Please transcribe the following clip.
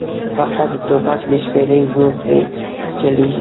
فقط د توپک د شپېلۍ زور پرې چلېږي.